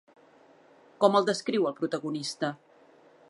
Com el descriu el protagonista?